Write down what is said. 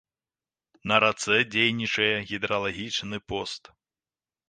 На рацэ дзейнічае гідралагічны пост.